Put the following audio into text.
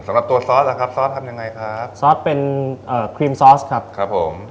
สำหรับตัวซอสล่ะครับซอสทำยังไงครับซอสเป็นเอ่อครีมซอสครับครับผม